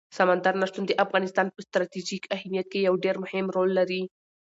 سمندر نه شتون د افغانستان په ستراتیژیک اهمیت کې یو ډېر مهم رول لري.